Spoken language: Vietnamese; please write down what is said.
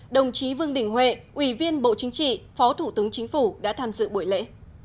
đồng chí vương đình huệ ủy viên bộ chính trị phó thủ tướng chính phủ đã tham dự buổi lễ